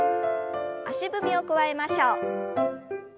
足踏みを加えましょう。